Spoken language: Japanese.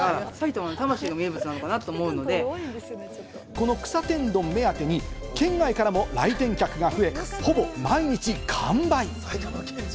この草天丼を目当てに県外からも来店客が増え、ほぼ毎日完売。